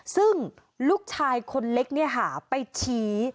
ซึ่งลูกชายคนเล็กไปชี้